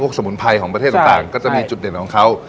สมุนไพรของประเทศต่างก็จะมีจุดเด่นของเขา